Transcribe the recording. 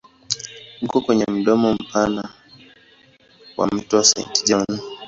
Uko kwenye mdomo mpana wa mto Saint John.